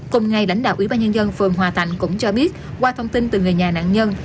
cùng ngày lãnh đạo ủy ban nhân dân phường hòa thạnh cũng cho biết qua thông tin từ người nhà nạn nhân